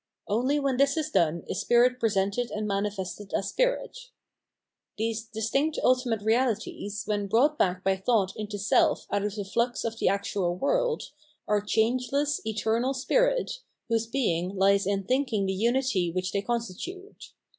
Only when this is done is spirit presented and manifested as spirit, f These ^stinct ultimate Reahties, when brought back by thought into self out of the flux of the actual world, are changeless, eternal spirits, whose being hes in think ing the unity which they constitute.